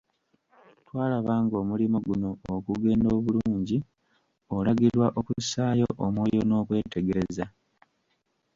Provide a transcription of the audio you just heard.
Twalaba ng'omulimo guno okugenda obulungi, olagirwa okussaayo omwoyo n'okwetegereza.